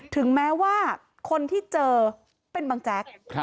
ถึงแม้ว่าคนที่เจอเป็นบังแจ๊ก